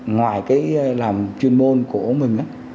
ngoài cái làm chuyên môn của mình